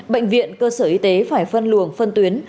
bệnh viện cơ sở y tế phải phân luồng phân tuyến